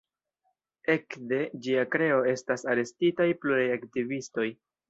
Ekde ĝia kreo estas arestitaj pluraj aktivistoj.